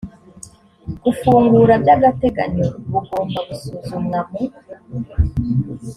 gufungura by agateganyo bugomba gusuzumwa mu